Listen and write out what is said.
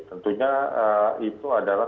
tentunya itu adalah